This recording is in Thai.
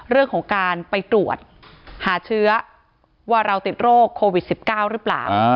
เรื่องของการไปตรวจหาเชื้อว่าเราติดโรคโควิด๑๙หรือเปล่า